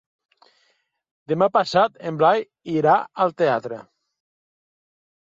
Demà passat en Blai irà al teatre.